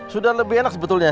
sudah lebih enak sebetulnya